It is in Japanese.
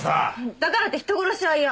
だからって人殺しは嫌。